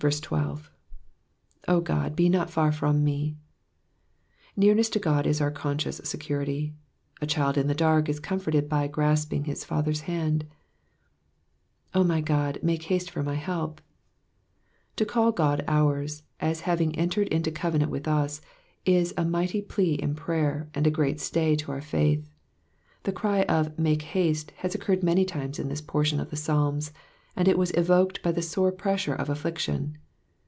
13. 0 Ood^ he not far from w«." Nearness to God is our conscious security. A child in the dark is comforted by grasping its father's hand. *'Owy Qod^ make haste for my help.'*'' To call God ours, as having entered into covenant with us, is a mighty plea in prayer, and a great stay to our faith. The cry of ^^ make haste" has occurred many times in this portion of the Psalms, and it was evoked by the sore pressure of affliction.